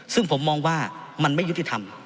ซึ่งผมมองว่ามันไม่ยุติธรรม